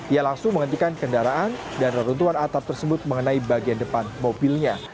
ia langsung menghentikan kendaraan dan reruntuhan atap tersebut mengenai bagian depan mobilnya